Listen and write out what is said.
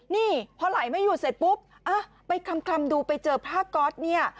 นี่พอไหลไม่หยุดเสร็จปุ๊บอ่ะไปคลำดูไปเจอผ้าก๊อตเนี่ย